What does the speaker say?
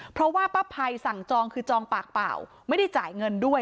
เพราะว่าป้าภัยสั่งจองคือจองปากเปล่าไม่ได้จ่ายเงินด้วย